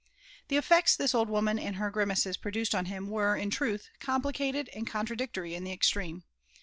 TImi eiSects this old woman and liar grimaces {Mrodueed on him were^ in truth, complicated and contradictory 'm the extreme.